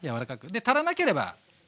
で足らなければね